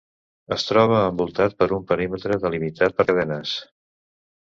Es troba envoltat per un perímetre delimitat per cadenes.